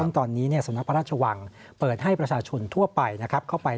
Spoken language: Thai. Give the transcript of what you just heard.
ตอนนี้สมนักพระราชวังเปิดให้ประชาชนทั่วไป